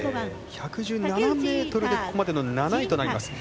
１１７ｍでここまでの７位となります。